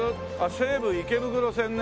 西武池袋線ね。